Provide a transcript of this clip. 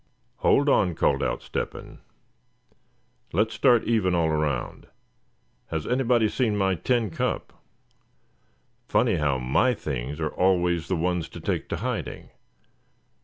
"Hold on," called out Step hen, "let's start even all around. Has anybody seen my tin cup? Funny how my things are always the ones to take to hiding.